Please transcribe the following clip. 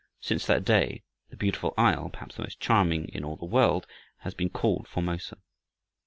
Since that day the "Beautiful Isle," perhaps the most charming in all the world, has been called Formosa.